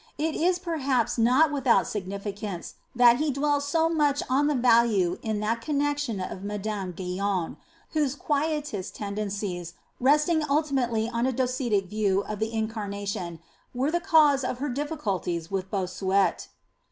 It is perhaps not without significance that he dwells so much on the value in that connection of Madame Guyon, whose Quietist tendencies, resting ultimately on a Docetic view of the Incarnation, were the cause of her difficulties with Bossuet.